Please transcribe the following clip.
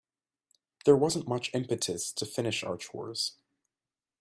There wasn't much impetus to finish our chores.